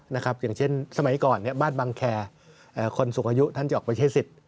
อย่างเช่นสมัยก่อนบ้านบังแคร์คนสูงอายุท่านจะออกไปใช้สิทธิ์